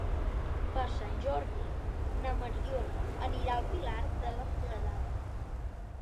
Per Sant Jordi na Mariona anirà al Pilar de la Foradada.